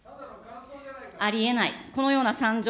ありえない、このような惨状。